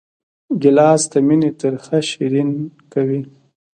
ګیلاس د مینې ترخه شیرین کوي.